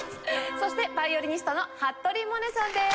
そしてヴァイオリニストの服部百音さんです。